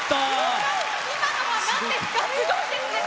今のはなんですか、すごいですね。